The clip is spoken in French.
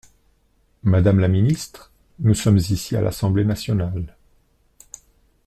Madame la ministre, nous sommes ici à l’Assemblée nationale.